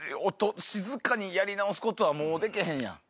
静かにやり直すことはもうでけへんやん。